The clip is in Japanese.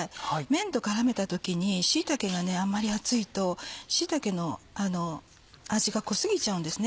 麺と絡めた時に椎茸があんまり厚いと椎茸の味が濃過ぎちゃうんです。